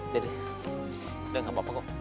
dede udah gak apa apa kok